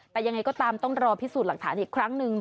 แต่ยังไงก็ตามต้องรอพิสูจน์หลักฐานอีกครั้งหนึ่ง